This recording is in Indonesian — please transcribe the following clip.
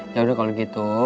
yaudah kalau gitu